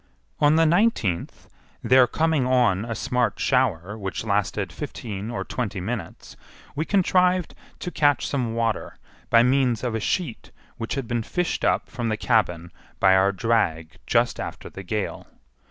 On the nineteenth, there coming on a smart shower which lasted fifteen or twenty minutes, we contrived to catch some water by means of a sheet which had been fished up from the cabin by our drag just after the gale.